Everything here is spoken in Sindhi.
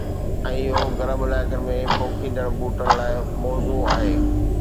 ۽ اهو گرم علائقن ۾ پوکيندڙ ٻوٽن لاءِ موزون آهي